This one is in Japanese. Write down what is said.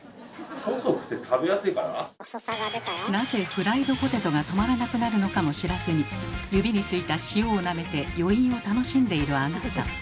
なぜフライドポテトが止まらなくなるのかも知らずに指に付いた塩をなめて余韻を楽しんでいるあなた。